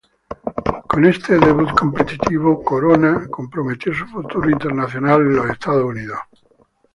Con este debut competitivo, Corona comprometió su futuro internacional a los Estados Unidos.